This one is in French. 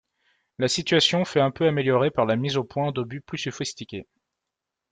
La situation fut un peu améliorée par la mise au point d'obus plus sophistiqués.